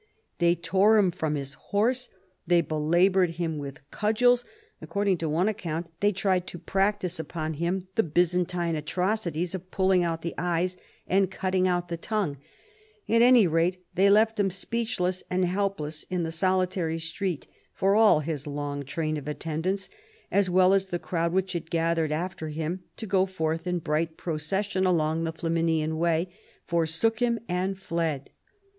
They tore him from his horse, they belabored him with cudgels ; according to one account they tried to practice upon him the Byzantine atrocities of pulling out the eyes and cutting out the tongue ; at any rate they left him speechless and helpless in the solitary street, for all his long train of attendants, as well as the crowd which had gathered after him to go forth in bright procession along the Flaminian Way, forsook him and fled.